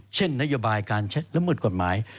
เช่นนโยบายการละเมิดกฎหมาย